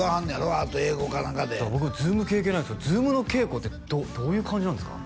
ワーッと英語か何かで僕Ｚｏｏｍ経験ないんですけどＺｏｏｍの稽古ってどういう感じなんですか？